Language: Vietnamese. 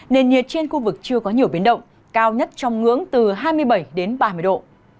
nền nhiệt trên khu vực chưa có nhiều biến động cao nhất trong ngưỡng từ hai mươi bảy đến ba mươi độ